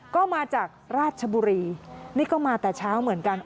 ก็มาจากราชบุรีนี่ก็มาแต่เช้าเหมือนกัน